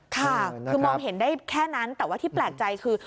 ค่ะคือมองเห็นได้แค่นั้นแต่ว่าที่แปลกใจคือ